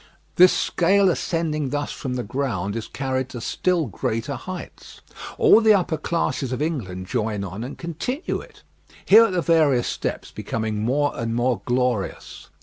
This scale ascending thus from the ground is carried to still greater heights. All the upper classes of England join on and continue it. Here are the various steps, becoming more and more glorious.